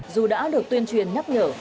dù đã được tuyên truyền nhấp nhở